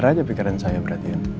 bisa aja pikiran saya berarti kan